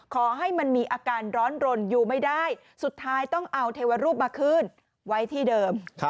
ขอให้มันมีอาการร้อนรนอยู่ไม่ได้สุดท้ายต้องเอาเทวรูปมาคืนไว้ที่เดิม